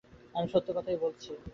আমি সত্যি কথাই বলেছি।